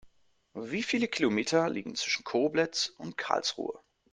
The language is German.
Wie viele Kilometer liegen zwischen Koblenz und Karlsruhe?